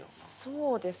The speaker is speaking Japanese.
そうですね。